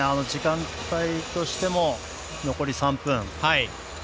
時間帯としても残り３分。